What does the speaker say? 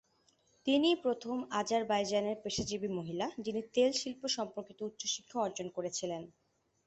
তিনিই প্রথম আজারবাইজানের পেশাজীবী মহিলা, যিনি তেল শিল্প সম্পর্কিত উচ্চশিক্ষা অর্জন করেছিলেন।